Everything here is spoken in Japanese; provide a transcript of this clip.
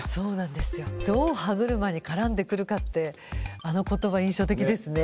「どう歯車に絡んでくるか」ってあの言葉印象的ですね。